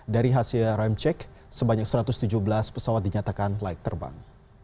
dari hasil ramcek sebanyak satu ratus tujuh belas pesawat dinyatakan layak terbang